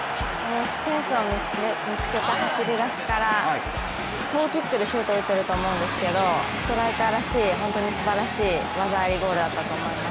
スペースを見つけた走り出しからトーキックでシュートを打っていると思うんですけど、ストライカーらしい本当に技ありのゴールだったと思います。